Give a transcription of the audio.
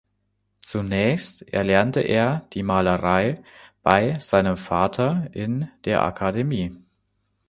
Zunächst erlernte er die Malerei bei seinem Vater in der Akademie.